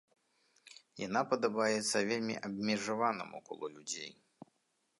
Яна падабаецца вельмі абмежаванаму колу людзей.